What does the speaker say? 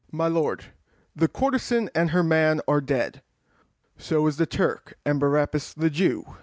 My lord, the courtezan and her man are dead; So is the Turk and Barabas the Jew.